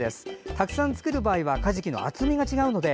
たくさん作る場合はかじきの厚みが違うので